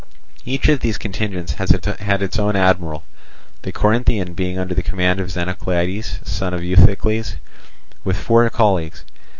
Each of these contingents had its own admiral, the Corinthian being under the command of Xenoclides, son of Euthycles, with four colleagues.